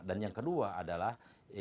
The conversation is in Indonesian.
dan yang kedua adalah